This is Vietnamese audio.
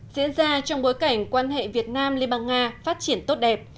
diễn ra trong bối cảnh quan hệ việt nam liên bang nga phát triển tốt đẹp